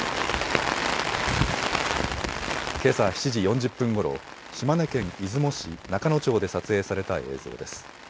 けさ７時４０分ごろ島根県出雲市中野町で撮影された映像です。